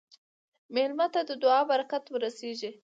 مېلمه ته د دعا برکت ورسېږه.